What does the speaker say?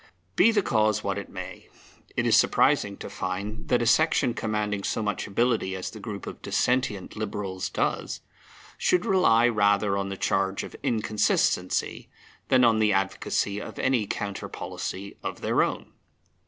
Be the cause what it may, it is surprising to find that a section commanding so much ability as the group of Dissentient Liberals does, should rely rather on the charge of inconsistency than on the advocacy of any counter policy of their own.